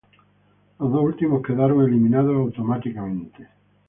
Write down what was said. Los dos últimos quedaron eliminados automáticamente.